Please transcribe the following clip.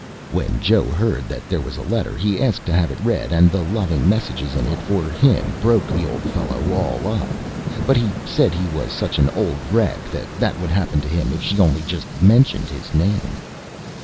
When Joe heard that there was a letter, he asked to have it read, and the loving messages in it for him broke the old fellow all up; but he said he was such an old wreck that THAT would happen to him if she only just mentioned his name.